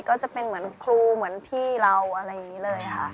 ก็จะเป็นเหมือนครูเหมือนพี่เราอะไรอย่างนี้เลยค่ะ